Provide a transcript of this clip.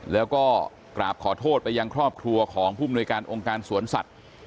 แล้วก็กราบขอโทษไปยังครอบครัวของผู้มนวยการองค์การสวนสัตว์